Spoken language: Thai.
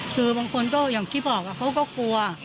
คือบางคนก็อย่างที่บอกว่าเขาก็กลัว